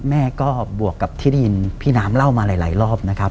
แม่ก็บวกกับที่ได้ยินพี่น้ำเล่ามาหลายรอบนะครับ